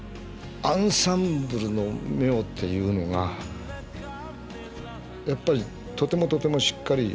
アンサンブルの妙っていうのがやっぱりとてもとてもしっかりしてるし。